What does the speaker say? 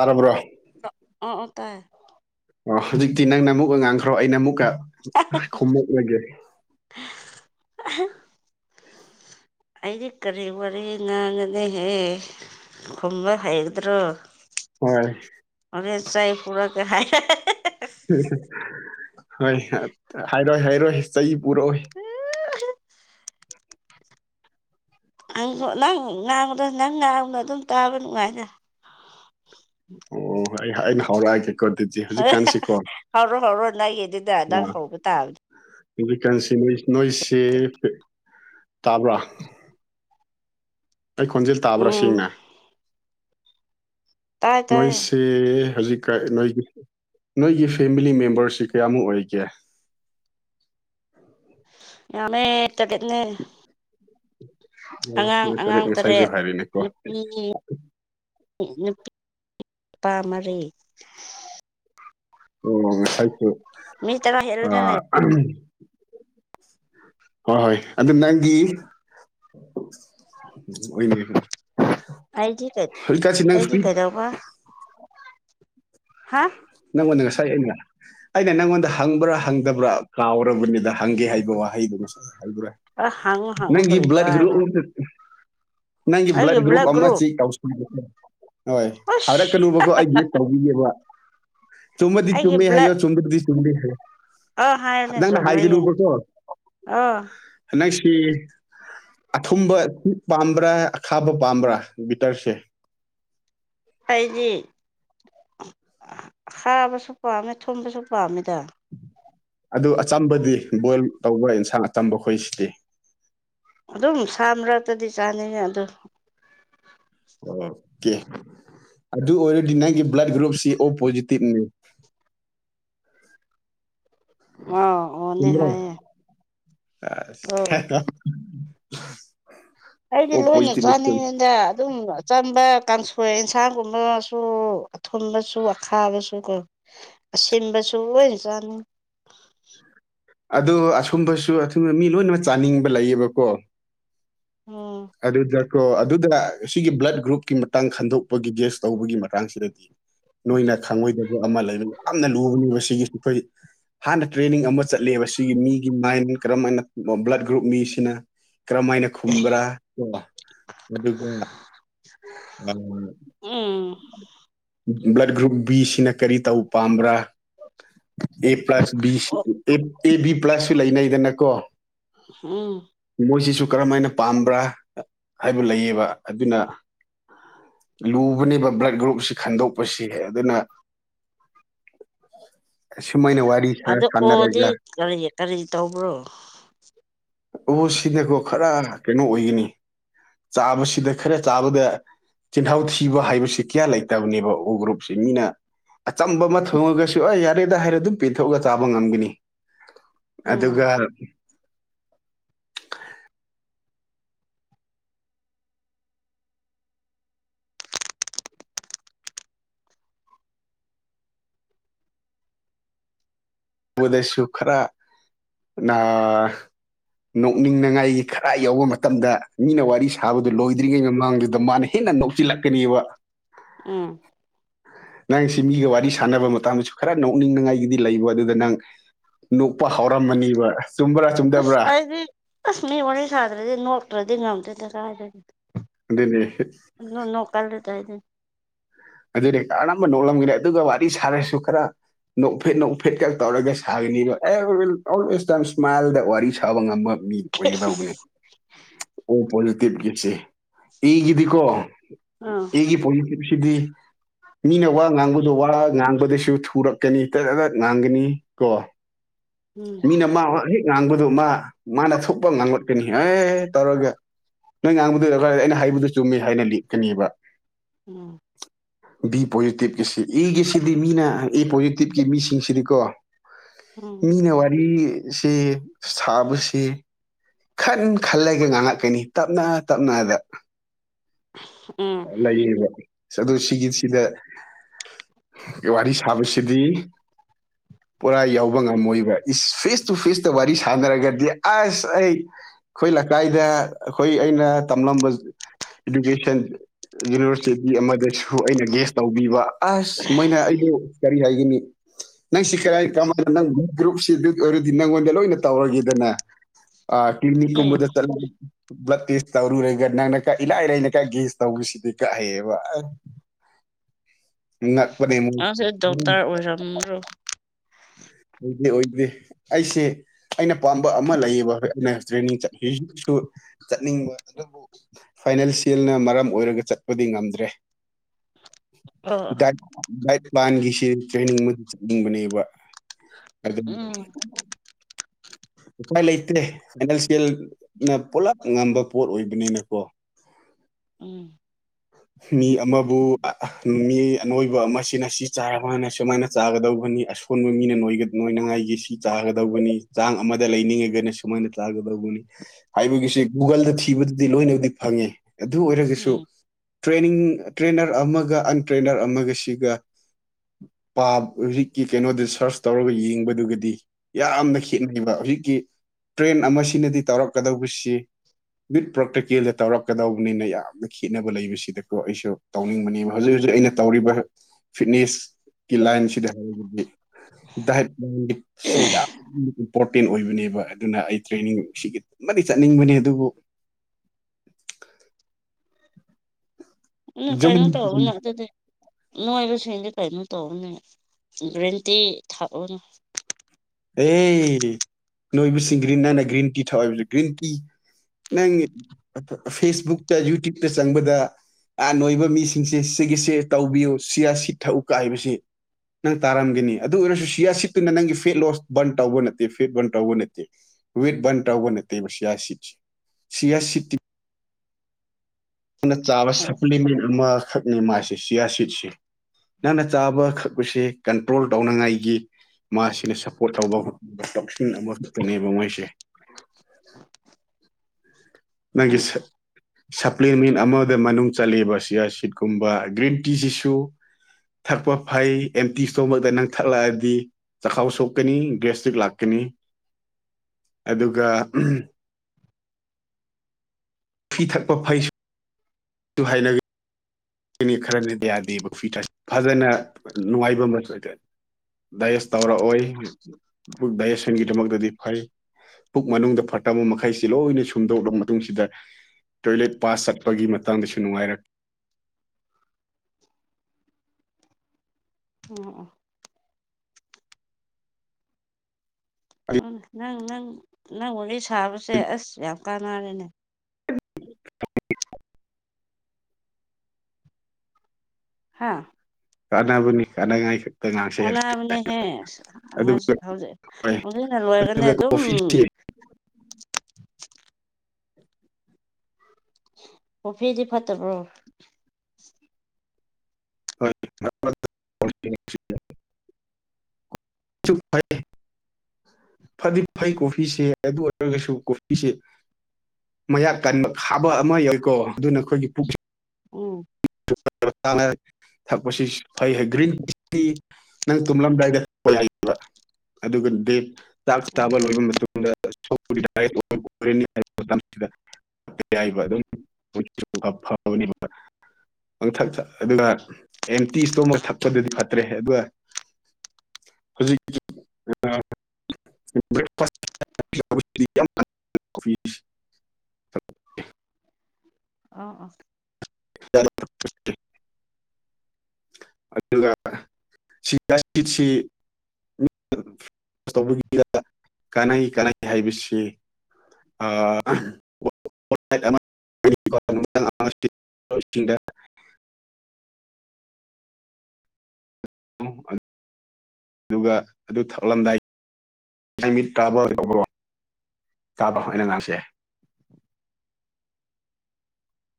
ꯑꯔꯕꯔꯣ ꯑꯣ ꯑꯣ ꯇꯥꯏ ꯑꯣ ꯍꯧꯖꯤꯛꯇꯤ ꯅꯪꯅ ꯑꯃꯨꯛꯀ ꯉꯥꯡꯈ꯭ꯔꯣ ꯑꯩꯅ ꯑꯃꯨꯛꯀ ꯈꯨꯝꯃꯛꯂꯒꯦ [inaudible] ꯑꯩꯗꯤ ꯀꯔꯤ ꯋꯥꯔꯤ ꯉꯥꯡꯉꯅꯦꯍꯦ ꯈꯨꯝꯕ ꯍꯩꯗ꯭ꯔꯣ ꯍꯣꯏ ꯍꯣꯔꯦꯟ ꯆꯥꯏ ꯄꯨꯔꯛꯒꯦ ꯍꯥꯏ ꯍꯣꯏ ꯍꯥꯏꯔꯣꯏ ꯍꯥꯏꯔꯣꯏ ꯆꯍꯤ ꯄꯨꯔꯛꯑꯣꯏ [unintelligible] ꯪ ꯅꯪ ꯉꯥꯡꯕꯗ ꯅꯪ ꯉꯥꯡꯕꯅ ꯑꯗꯨꯝ ꯇꯥꯕ ꯅꯨꯡꯉꯥꯏꯗ ꯑꯣ ꯑꯩꯅ ꯍꯧꯔꯛꯑꯒꯦ ꯍ ꯍꯧꯔꯣ ꯍꯧꯔꯣ ꯅꯪꯒꯤ ꯑꯗꯨꯗ ꯅꯪ ꯍꯧꯕ ꯇꯥꯕꯅꯦ ꯍꯧꯖꯤꯛ ꯀꯟꯁꯤ ꯅꯣꯏ ꯅꯣꯏꯁꯦ ꯄꯦ ꯇꯥꯕ꯭ꯔ ꯑꯩ ꯈꯣꯟꯖꯦꯜ ꯇꯥꯕ꯭ꯔ ꯎꯝ ꯁꯦꯡꯅ ꯇꯥꯏ ꯇꯥꯏ ꯅꯣꯏꯁꯦ ꯍꯧꯖꯤꯛꯀ ꯅꯣꯏꯒꯤ ꯅꯣꯏꯒꯤ ꯐꯦꯃꯤꯂꯤ ꯃꯦꯝꯕꯔꯁꯤ ꯀꯌꯥꯃꯨꯛ ꯑꯣꯏꯒꯦ ꯌꯥꯝꯃꯦ ꯇꯔꯦꯠꯅꯦ ꯑꯉꯥꯡ ꯅꯣꯏ ꯑꯉꯥꯡ ꯉꯁꯥꯏꯁꯨ ꯇꯔꯦꯠ ꯍꯥꯏꯔꯤꯅꯦꯀꯣ ꯅꯨꯄꯤ ꯅꯨꯄꯤ ꯅꯨꯄꯥ ꯃꯔꯤ ꯑꯣ ꯃꯤ ꯇꯔꯥ ꯍꯥꯏꯥꯏꯁꯨꯨ ꯍꯦꯜꯂꯦꯗꯅ ꯑ ꯍꯣꯏ ꯍꯣꯏ ꯑꯗꯨ ꯅꯪꯒꯤ ꯑꯩꯗꯤ ꯀ ꯍꯧꯖꯤꯛꯀꯥꯟꯁꯤ ꯅꯪ ꯑꯩꯗꯤ ꯐ꯭ꯔꯤ ꯀꯩꯗꯧꯕ ꯍꯥ ꯅꯪꯉꯣꯗ ꯉꯁꯥꯏ ꯑꯩꯅ ꯅꯪꯉꯣꯟꯗ ꯍꯪꯕ꯭ꯔꯥ ꯍꯪꯗꯕ꯭ꯔꯥ ꯀꯥꯎꯔꯕꯅꯤꯗ ꯍꯪꯒꯦ ꯍꯥꯏꯕ ꯋꯥꯍꯩꯗꯨꯣ ꯉꯁꯥꯏ ꯍꯥꯏꯕ꯭ꯔꯥ ꯑ ꯍꯪꯉꯨ ꯍꯪꯉꯨ ꯀꯔꯤ ꯅꯪꯒꯤ ꯭ꯂ ꯀꯥꯏꯕ꯭ꯔꯣ ꯅꯪꯒꯤ ꯑꯩꯒꯤ ꯕ꯭ꯂꯗ ꯒ꯭ꯔꯨꯞ ꯕ꯭ꯂꯠ ꯑꯃ ꯆ ꯀꯥꯎ ꯍꯣꯏ ꯑꯁ ꯍꯥꯏꯔꯛꯀꯅꯨꯕꯀꯣ ꯑꯩ ꯒꯦꯐ ꯇꯧꯕꯤꯒꯦꯕ ꯆꯨꯝꯕꯗꯤ ꯑꯩꯒꯤ ꯆꯨꯝꯃꯤ ꯍꯥꯏꯌ ꯕ꯭ꯂꯠ ꯑꯣ ꯆꯨꯝꯕꯗꯤ ꯆꯨꯝꯕꯤ ꯍꯥꯏ ꯑꯥ ꯍꯥꯏꯔꯅꯦ ꯅꯪꯅ ꯆꯨꯝꯕ꯭ꯔꯥ ꯌꯦꯡꯉꯨ ꯍꯥꯏꯒꯅꯨꯕꯀꯣ ꯑꯥ ꯅꯪꯁꯤ ꯑꯊꯨꯝꯕ ꯄꯥꯝꯕ꯭ꯔꯥ ꯑꯈꯥꯕ ꯄꯥꯝꯕ꯭ꯔꯥ ꯒꯤꯇꯔꯁꯦ ꯍꯥꯏꯗꯤ ꯈꯥꯕꯁꯨ ꯄꯥꯝꯃꯦ ꯊꯨꯝꯕꯁꯨ ꯄꯥꯝꯃꯦꯗ ꯑꯗꯨ ꯑꯆꯝꯕꯗꯤ ꯕꯣꯏꯜ ꯇꯧꯕꯔꯥ ꯏꯟꯁꯥꯡ ꯑꯆꯝꯕ ꯑꯩꯈꯣꯏꯁꯤꯗꯤ ꯑꯗꯨꯝ ꯁꯥ ꯃꯔꯛꯇꯗꯤ ꯆꯥꯅꯤꯡꯌꯦ ꯑꯗꯨ ꯑꯣꯀꯦ ꯑꯗꯨ ꯑꯣꯏꯔꯗꯤ ꯅꯪꯒꯤ ꯕ꯭ꯂꯠ ꯒ꯭ꯔꯨꯞꯁꯤ ꯑꯣ ꯄꯣꯖꯤꯇꯤꯞꯅꯤ ꯑꯣ ꯑꯣꯅꯦ ꯍꯥꯏꯌꯦ ꯑꯣ ꯑ ꯑꯩꯗꯤ ꯂꯣꯏꯅ ꯆꯅꯤ ꯑꯗꯨꯝ ꯆꯝꯕ ꯀꯥꯡꯁꯣꯏ ꯏꯟꯁꯥꯡꯒꯨꯝꯕꯁꯨ ꯑꯊꯨꯕꯁꯨ ꯑꯈꯥꯕꯁꯨ ꯀꯣ ꯁꯤꯕꯁꯨ ꯂꯅ ꯆꯥꯅꯤꯡ ꯑꯗꯣ ꯑꯁꯨꯝꯕꯁꯨ ꯑꯕ ꯃꯤ ꯂꯣꯏꯅꯃꯛ ꯆꯥꯅꯤꯡꯕ ꯂꯩꯌꯦꯕꯀꯣ ꯑꯣ ꯑꯗꯨ ꯗꯥꯛꯇꯣ ꯑꯗꯨꯗ ꯁꯤꯒꯤ ꯕ꯭ꯂꯠ ꯒ꯭ꯔꯨꯞꯀꯤ ꯃꯇꯥꯡ ꯈꯟꯗꯣꯛꯄꯒꯤ ꯖꯦꯁ ꯇꯧꯕꯒꯤ ꯃꯇꯥꯡꯁꯤꯗꯗꯤ ꯅꯣꯏꯅ ꯈꯪꯉꯣꯏꯗꯕ ꯑꯃ ꯂꯩꯕ ꯌꯥꯝꯅ ꯂꯨꯕꯅꯦꯕ ꯁꯤꯒꯤꯁꯤ ꯑꯩꯈꯣꯏ ꯍꯥꯟꯅ ꯇ꯭ꯔꯦꯅꯤꯡ ꯑꯃ ꯆꯠꯂꯦꯕ ꯁꯤꯒꯤ ꯃꯤꯒꯤ ꯃꯥꯏꯟ ꯀꯔꯝ ꯍꯥꯏꯅ ꯕ꯭ꯂꯗ ꯒ꯭ꯔꯨꯞ ꯃꯤꯁꯤꯅ ꯀꯔꯝ ꯍꯥꯏꯅ ꯀꯨꯝꯕ꯭ꯔꯥ ꯑꯗꯨꯒ ꯎꯝ ꯎꯝ ꯕ꯭ꯂꯠ ꯒ꯭ꯔꯨꯞ ꯕꯤꯁꯤꯅ ꯀꯔꯤ ꯇꯧꯕ ꯄꯥꯝꯕ꯭ꯔꯥ A plus B O A B ꯄ꯭ꯂꯁꯁꯨ ꯂꯩꯅꯩꯗꯅꯀꯣ ꯎꯝ ꯃꯣꯏꯁꯤꯁꯨ ꯀꯔꯝ ꯍꯥꯏꯅ ꯄꯥꯝꯕ꯭ꯔꯥ ꯍꯥꯏꯕ ꯂꯩꯌꯦꯕ ꯑꯗꯨꯅ ꯂꯨꯕꯅꯦꯕ ꯕ꯭ꯂꯠ ꯒ꯭ꯔꯨꯞꯁꯤ ꯈꯟꯗꯣꯛꯄꯁꯤ ꯑꯗꯨꯅ ꯁꯤꯃꯥꯏꯅ ꯋꯥꯔꯤ ꯋꯥꯔꯤ ꯁꯥ ꯑꯗꯨ ꯁꯥꯟꯅꯔ ꯑꯣꯗꯤ ꯍꯖꯔ ꯀꯔꯤ ꯀꯔꯤ ꯇꯧꯕ꯭ꯔꯣ ꯑꯣ ꯁꯤꯅꯀꯣ ꯈꯔ ꯀꯩꯅꯣ ꯑꯣꯏꯒꯅꯤ ꯆꯥꯕꯁꯤꯗ ꯈꯔ ꯆꯥꯕꯗ ꯆꯤꯟꯜꯍꯥꯎ ꯊꯤꯕ ꯍꯥꯏꯕꯁꯤ ꯀꯌꯥ ꯂꯩꯇꯕꯅꯦꯕ ꯎ ꯒ꯭ꯔꯨꯞꯁꯤꯦ ꯃꯤꯅ ꯑꯆꯝꯕ ꯑꯃ ꯊꯣꯡꯉꯒꯁꯨ ꯑ ꯌꯥꯔꯦꯗ ꯍꯥꯏꯔ ꯑꯗꯨꯝ ꯄꯦꯟꯊꯣꯛꯑꯒ ꯆꯥꯕ ꯉꯝꯒꯅꯤ ꯎꯝ ꯑꯗꯨꯒ [unintelligible] ꯁꯨ ꯈ꯭ꯔꯥ ꯅꯣꯛꯅꯤꯡꯅꯉꯥꯏꯒꯤ ꯈꯔ ꯌꯎꯧꯕ ꯃꯇꯝꯗ ꯃꯤꯅ ꯋꯥꯔꯤ ꯁ ꯊꯥꯕꯗꯨ ꯂꯣꯏꯗ꯭ꯔꯤꯉꯩ ꯃꯃꯥꯡꯗꯨꯗ ꯃꯥꯅ ꯍꯦꯟꯅ ꯅꯣꯛꯁꯤꯜꯂꯛꯀꯅꯦꯕ ꯎꯝ ꯅꯪ ꯁꯤ ꯃꯤꯒ ꯋꯥꯔꯤ ꯁꯥꯟꯅꯕ ꯃꯇꯝꯗꯁꯨ ꯈꯔ ꯅꯣꯛꯅꯤꯡꯅꯉꯥꯏꯒꯤꯗꯤ ꯂꯩꯕ ꯑꯗꯨꯗ ꯅꯪ ꯅꯣꯛꯄ ꯍꯧꯥꯎꯔꯝꯃꯅꯤꯕ ꯆꯨꯝꯕ꯭ꯔꯥ ꯑꯁ ꯆꯨꯝꯗꯕ꯭ꯔꯥ ꯑꯩꯗꯤ ꯑꯁ ꯃꯤ ꯋꯥꯔꯤ ꯁꯥꯗ꯭ꯔꯗꯤ ꯅꯣꯛꯇ꯭ꯔꯗꯤ ꯉꯝꯗ꯭ꯔꯦꯗ ꯀꯥꯏꯗꯗꯤ ꯑꯗꯨꯅꯦ ꯅ ꯅ ꯀꯜꯗ ꯇꯗꯅꯤ ꯑꯗꯨꯗꯤ ꯀꯔꯝꯕ ꯅꯣꯛꯂꯝꯒꯗꯦ ꯑꯗꯨꯒ ꯋꯥꯔꯤ ꯁꯥꯔꯁꯨ ꯈꯔ ꯅꯣꯛ ꯎꯐꯦꯠ ꯅꯣꯛ ꯎꯐꯦꯠꯀ ꯇꯧꯔꯒ ꯁꯥꯒꯅꯤꯕꯁ ꯇꯥꯏꯝ ꯏꯁꯃꯥꯏꯜꯗ ꯋꯥꯔꯤ ꯁꯥꯕ ꯉꯝꯕ ꯃꯤꯅꯤ ꯑꯣꯏꯒꯗꯧꯕꯅꯦ ꯑꯣ ꯄꯣꯖꯤꯇꯤꯕ ꯒꯤꯁꯦ ꯑꯩꯒꯤꯗꯤꯀꯣ ꯑꯥ ꯑꯩꯒꯤ ꯄꯁꯤꯗꯤ ꯃꯤꯅ ꯋꯥ ꯉꯥꯡꯕꯗꯣ ꯋꯥ ꯉꯥꯡꯕꯗꯁꯨ ꯊꯨꯔꯛꯀꯅꯤ ꯇꯠ ꯇꯗꯠ ꯉꯥꯡꯒꯅꯤ ꯀꯣ ꯎꯝ ꯃꯤꯅ ꯃꯥ ꯍꯦꯛ ꯉꯥꯡꯕꯗꯨꯣ ꯃꯥ ꯃꯥꯅ ꯊꯣꯛꯄ ꯉꯥꯡꯂꯛꯀꯅꯤ ꯑꯦ ꯇꯧꯔꯒ ꯅꯣꯏ ꯉꯥꯡꯕꯗꯨ ꯗꯔꯀꯥꯔ ꯑꯩꯅ ꯍꯥꯏꯕꯗꯨ ꯆꯨꯝꯃꯦ ꯍꯥꯏꯅ ꯂꯤꯛꯀꯅꯦꯕ ꯎꯝ ꯕꯤ ꯄꯣꯖꯤꯇꯤꯞꯀꯤꯁꯤ ꯑꯦꯒꯤꯁꯤꯗꯤ ꯃꯤꯅ ꯑꯦ ꯄꯣꯖꯤꯇꯤꯞꯀꯤ ꯃꯤꯁꯤꯡꯁꯤꯗꯤꯀꯣ ꯎꯝ ꯃꯤꯅ ꯋꯥꯔꯤꯁꯦ ꯁꯥꯕꯁꯦ ꯈꯟ ꯈꯜꯂꯒ ꯉꯥꯡꯉꯛꯀꯅꯤ ꯇꯞꯅ ꯇꯞꯅꯗ ꯎꯝ ꯂꯩꯌꯦꯕꯥ ꯑ ꯁꯤꯒꯤꯁꯤꯗ ꯋꯥꯔꯤ ꯁꯥꯕꯁꯤꯗꯤ ꯄꯨꯔꯥ ꯌꯥꯎꯕ ꯉꯝꯃꯣꯏꯕ ꯏꯁ ꯐꯦꯁ ꯇꯨ ꯐꯦꯁꯇ ꯋꯥꯔꯤ ꯁꯥꯟꯅꯔꯒꯗꯤ ꯑꯁ ꯑꯩ ꯑꯩꯈꯣꯏ ꯂꯩꯀꯥꯏꯗ ꯑꯩꯈꯣꯏ ꯑꯩꯅ ꯇꯝꯂꯝꯕ ꯏꯗꯨꯀꯦꯁꯟ ꯌꯨꯅꯤꯚꯔꯁꯤꯇꯤ ꯑꯃꯗꯁꯨ ꯑꯩꯅ ꯒꯦꯁ ꯇꯧꯕꯤꯕ ꯑꯁ ꯃꯣꯏꯅ ꯑꯩꯗꯣ ꯀꯔꯤ ꯍꯥꯏꯒꯅꯤ ꯅꯪ ꯁꯤ ꯀꯔꯤꯥꯏ ꯀꯃꯥꯏꯅꯣ ꯅꯪ ꯒ꯭ꯔꯨꯞꯁꯤ ꯑꯣꯏꯔꯗꯤ ꯅꯪꯉꯣꯟꯗ ꯂꯣꯏꯅ ꯇꯧꯔꯒꯦꯗꯅ ꯑ ꯀꯤꯅꯤ ꯎꯝ ꯀꯨꯝꯦꯁ ꯇ ꯔꯪꯅ ꯏꯂ ꯏꯂ ꯏꯅꯀ ꯦꯁ ꯇꯧꯕꯁꯤꯗꯤ ꯀꯛꯑꯌꯦꯕ ꯅꯄꯅꯦ ꯔꯝ꯭ꯔꯣ ꯑꯣꯏꯅꯤ ꯑꯣꯏꯅꯤ ꯑꯩꯁꯦ ꯑꯩꯅ ꯄꯥꯝꯕ ꯑꯃ ꯂꯩꯌꯦꯕ ꯑꯩꯅ ꯇ꯭ꯔꯦꯅꯤꯡ ꯆꯠꯖꯤꯛꯁꯨ ꯆꯠꯅꯤꯡꯕ ꯑꯗꯨꯕꯨ ꯐꯥꯏꯅꯥꯜꯁꯤꯌꯦꯜꯅ ꯃꯔꯝ ꯑꯣꯏꯔꯒ ꯆꯠꯄꯗꯤ ꯉꯝꯗ꯭ꯔꯦ ꯑꯣ ꯒꯥꯏꯗ ꯄ꯭ꯂꯥꯟꯒꯤꯁꯤ ꯇ꯭ꯔꯦꯅꯤꯡ ꯆꯠꯅꯤꯡꯕꯅꯦꯕ ꯑꯗꯨ ꯎꯝ ꯎꯥꯏ ꯂꯩꯇꯦ ꯐꯥꯏꯅꯥꯜꯁꯤꯌꯦꯜꯅ ꯄꯨꯂꯞ ꯉꯝꯕ ꯄꯣꯠ ꯑꯣꯏꯕꯅꯤꯅꯀꯣ [inaudible] ꯎꯝ ꯑ ꯃꯤ ꯑꯃꯕꯨ ꯃꯤ ꯑꯅꯣꯏꯕ ꯑꯃꯁꯤꯅ ꯁꯤ ꯆꯥꯔꯕ ꯍꯥꯏꯅ ꯁꯨꯃꯥꯏꯅ ꯆꯥꯒꯗꯧꯕꯅꯤ ꯑ ꯑꯨꯟꯕ ꯃꯤꯅ ꯅꯣꯏꯅꯉꯥꯏꯒꯤ ꯁꯤ ꯆꯥꯒꯗꯧꯕꯅꯤ ꯆꯥꯡ ꯑꯃꯗ ꯂꯩꯅꯤꯡꯉꯒꯅ ꯁꯨꯃꯥꯏꯅ ꯆꯥꯒꯗꯕꯨꯅꯤ ꯍꯥꯏꯕꯒꯤꯁꯤ ꯒꯨꯒꯜꯗ ꯊꯤꯕꯗꯗꯤ ꯂꯣꯏꯅꯕꯨꯗꯤ ꯐꯪꯉꯦ ꯑꯗꯨ ꯑꯣꯏꯔꯒꯁꯨ ꯎꯝ ꯇ꯭ꯔꯦꯅꯤꯡ ꯇ꯭ꯔꯦꯅꯔ ꯑꯃꯒ ꯑꯟꯇ꯭ꯔꯦꯅꯔ ꯑꯃꯒꯁꯤꯒ ꯍꯧꯖꯤꯛꯀꯤ ꯀꯩꯅꯣꯗꯨ ꯁꯔꯁ ꯇꯧꯔꯒ ꯌꯦꯡꯕꯗꯨꯒꯗꯤ ꯌꯥꯝꯅ ꯈꯤ ꯍꯧꯖꯤꯛꯀꯤ ꯇ꯭ꯔꯦꯟ ꯑꯃꯁꯤꯅꯗꯤ ꯇꯧꯔꯛꯀꯗꯧꯕꯁꯤ ꯃꯤꯠ ꯄ꯭ꯔꯥꯛꯇꯤꯀꯦꯜꯗ ꯇꯧꯔꯛꯀꯗꯧꯕꯅꯤꯅ ꯌꯥꯝꯅ ꯈꯦꯠꯅꯕ ꯂꯩꯕꯁꯤꯗꯀꯣ ꯑꯩꯁꯨ ꯇꯧꯅꯤꯡꯕꯅꯦꯕ ꯍꯧꯖꯤꯛ ꯍꯧꯖꯤꯛ ꯑꯩꯅ ꯇꯧꯔꯤꯕ ꯐꯤꯠꯅꯦꯁꯀꯤ ꯂꯥꯏꯟꯁꯤꯗ ꯍꯥꯏꯔꯒꯗꯤ ꯁꯤ ꯌꯥꯝ ꯏꯝꯄꯣꯔꯇꯦꯟ ꯑꯣꯏꯕꯅꯦꯕ ꯑꯗꯨꯅ ꯑꯩ ꯇ꯭ꯔꯦꯅꯤꯡ ꯁꯤꯒꯤ ꯃꯇꯤ ꯆꯠꯅꯤꯡꯕꯅꯦ ꯑꯗꯨꯕꯨ ꯎꯅ ꯖꯨꯝ ꯀꯥꯏꯅꯇ ꯍꯅ ꯑꯗꯨꯗꯤ ꯅꯣꯏꯕꯁꯤꯡꯗꯤ ꯀꯩꯅꯣ ꯇꯧꯔꯅꯦ ꯒꯔꯦꯟꯇꯤ ꯊꯥꯛꯎꯅ ꯑꯦ ꯅꯣꯏꯕꯨꯁꯤꯡ ꯒ꯭ꯔꯤꯟ ꯅꯥꯏꯅ ꯒ꯭ꯔꯤꯟ ꯇꯤ ꯊꯧꯏꯕꯁꯤ ꯒ꯭ꯔꯤꯟ ꯇꯤ ꯅꯪ ꯐꯦꯁꯕꯨꯛ ꯇ ꯌꯨꯇꯨꯕꯇ ꯆꯪꯕꯗ ꯑ ꯅꯣꯏꯕ ꯃꯤꯁꯤꯡꯁꯦ ꯁꯤꯒꯤꯁꯤꯦ ꯇꯧꯕꯤꯌꯨ ꯁꯤꯌꯥ ꯁꯤ ꯊꯛꯎ ꯀ ꯍꯥꯏꯕꯁꯤ ꯅꯪ ꯇꯥꯔꯝꯒꯅꯤ ꯑꯗꯨ ꯑꯣꯏꯔꯁꯨ ꯁꯤꯌꯥ ꯁꯤꯞꯠꯇꯨꯅ ꯅꯪꯒꯤ ꯐꯦꯠ ꯂꯣꯁ ꯟ ꯇꯧꯕ ꯅꯠꯇꯦ ꯐꯤꯠ ꯟ ꯇꯧꯕ ꯅꯠꯇꯦ ꯋꯤꯠ ꯟ ꯇꯧꯕ ꯅꯠꯇꯦ ꯃꯁꯤ ꯑꯁꯤꯁꯤ ꯁꯤꯌꯥ ꯁꯤꯤ ꯅꯪꯅ ꯆꯥꯕ ꯎꯝ ꯁꯄ꯭ꯂꯤꯃꯦꯟ ꯑꯃꯈꯛꯅꯤ ꯃꯥꯁꯤꯦ ꯁꯤꯌꯥꯁꯤꯠꯁꯤ ꯅꯪꯅ ꯆꯥꯕꯛ ꯁꯤ ꯀꯟꯇ꯭ꯔꯣꯜ ꯇꯧꯅꯉꯥꯏꯒꯤ ꯃꯥꯁꯤꯅ ꯁꯞꯄꯣꯔꯠ ꯇꯧꯕ ꯂꯧꯁꯤꯟ ꯑꯃꯈꯛꯇꯅꯦꯕ ꯃꯣꯏꯁꯦ [inaudible] ꯅꯪꯒꯤ ꯎꯝ ꯁ ꯁꯄ꯭ꯂꯤꯃꯦꯟ ꯑꯃꯗ ꯃꯅꯨꯡ ꯆꯜꯂꯤꯠꯂꯦꯕ ꯁꯤꯌꯥ ꯁꯤꯠꯀꯨꯝꯕ ꯒ꯭ꯔꯤꯟ ꯇꯤꯁꯤꯁꯨ ꯊꯛꯄ ꯐꯩ ꯑꯦꯝꯇꯤ ꯏꯁꯇꯣꯃꯛꯇ ꯅꯪ ꯊꯛꯂꯛꯑꯗꯤ ꯆꯥꯛꯈꯥꯎ ꯁꯣꯛꯀꯅꯤ ꯒ꯭ꯔꯦꯁꯇꯤꯛ ꯂꯥꯛꯀꯅꯤ ꯑꯗꯨꯒ ꯐꯤ ꯊꯛꯄ ꯐꯩꯁꯨ ꯇꯨ ꯍꯥꯏꯥꯏꯅꯒꯦ ꯈꯔꯅꯦꯗꯤ ꯌꯥꯗꯦꯕ ꯐ꯭ꯌꯨꯇꯔꯁ ꯐꯖꯅ ꯅꯨꯡꯉꯥꯏꯕ ꯑꯃꯁꯦ ꯗꯥꯏꯖꯦꯁ ꯇꯧꯔꯛꯑꯣꯏ ꯗꯥꯏꯖꯦꯁꯟꯒꯤꯗꯃꯛꯇꯗꯤ ꯐꯩ ꯄꯨꯛ ꯃꯅꯨꯡꯗ ꯐꯠꯇꯕ ꯃꯈꯩꯁꯤ ꯂꯣꯏꯅ ꯁꯨꯝꯗꯣꯛꯂꯕ ꯃꯇꯨꯡꯁꯤꯗ ꯇꯣꯏꯂꯦꯠ ꯄꯥꯁ ꯆꯠꯄꯒꯤ ꯃꯇꯥꯡꯗꯁꯨ ꯅꯨꯡꯉꯥꯏꯔꯛꯦ ꯑꯣ ꯑꯣ ꯎ ꯅꯪ ꯅꯪ ꯅꯪ ꯋꯥꯔꯤ ꯁꯥꯕꯁꯦ ꯑꯁ ꯌꯥꯝ ꯀꯥꯟꯅꯔꯦꯅꯦ [inaudible] ꯍꯥꯥ ꯀꯅꯥꯕꯅꯤ ꯀꯥꯟꯉꯥꯏꯈ ꯑꯅꯥꯕꯅꯦꯍꯦꯉꯁꯤ ꯑꯗꯨꯒ ꯍꯧꯖꯤꯛ ꯍꯣꯏ ꯍꯧꯖꯤꯛꯅ ꯂꯣꯏꯔꯒꯅꯦ ꯑꯗꯨꯒ ꯑꯗꯨꯝ ꯀꯣꯐꯤꯁꯦ ꯑꯣ ꯐꯦꯗꯤ ꯐꯠꯇꯕ꯭ꯔꯣ ꯍꯣꯏ ꯨꯝ ꯐꯦ ꯐꯗꯤ ꯐꯩ ꯀꯣꯐꯤꯁꯦ ꯑꯗꯨ ꯑꯣꯏꯔꯒꯁꯨ ꯀꯣꯐꯤꯁꯦ ꯃꯌꯥ ꯀꯟꯕ ꯈꯥꯕ ꯑꯃ ꯌꯥꯏꯀꯣ ꯑꯗꯨꯅ ꯑꯩꯈꯣꯏꯒꯤ ꯄꯨ ꯎꯝ ꯊꯛꯄꯁꯤ ꯐꯩ ꯍꯥꯏꯩ ꯒ꯭ꯔꯤꯟ ꯇꯤ ꯅꯪ ꯇꯨꯝꯂꯝꯗꯥꯏꯗ ꯌꯥꯏꯌꯦꯕ ꯑꯗꯨꯒ ꯗꯦ ꯆꯥꯛ ꯎꯝ ꯆꯥꯕ ꯂꯣꯏꯕ ꯃꯇꯨꯡꯗ ꯕ ꯑꯗꯨꯝ ꯅꯤ ꯪꯊꯛ ꯑꯗꯨꯒ ꯑꯦꯝꯇꯤ ꯏꯁꯇꯣꯝ ꯃ ꯊꯛꯄꯗꯗꯤ ꯐꯠꯇ꯭ꯔꯦ ꯑꯗꯨꯒ ꯍꯧꯖꯤꯛꯀꯤ ꯭ꯔꯦꯛꯐꯥꯁ ꯑꯥ ꯑꯥ ꯆ ꯑꯗꯨꯒ ꯁꯤꯗꯥꯠꯁꯤ ꯇꯗ ꯀꯥꯟꯅꯩ ꯀꯥꯟꯅꯩ ꯍꯥꯏꯕꯁꯤ [unintelligible] [unintelligible] [unintelligible] ꯑ ꯑꯗꯨ ꯑꯗꯨꯒ ꯑꯗꯨ ꯊꯛꯂꯝꯗꯥꯏ ꯃꯤꯠ ꯇꯥꯕ ꯇꯧꯕ꯭ꯔꯣ ꯇꯥꯕꯍ ꯑꯩꯅ ꯉꯥꯡꯉꯤꯁꯦ